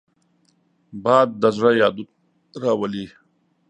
باد د زړه یادونه راولي